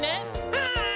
はい！